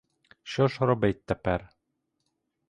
Що ж робить тепер?